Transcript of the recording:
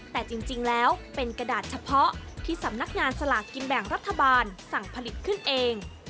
แต่จริงแล้วเป็นกระดาษเฉพาะที่สำนักงานสลากกินแบ่งรัฐบาลสั่งผลิตขึ้นเอง